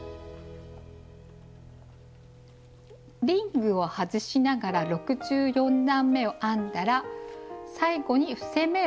リングを外しながら６４段めを編んだら最後に伏せ目をして針を外します。